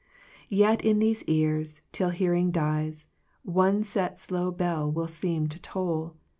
'*Yet in these ears, till hearing diM, One set slow bell will seem to toll.